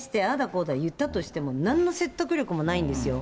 こうだと言ったとしても、なんの説得力もないんですよ。